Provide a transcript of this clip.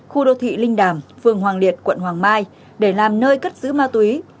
khu đô thị linh đàm phường hoàng liệt quận hoàng mai để làm nơi cất giữ ma túy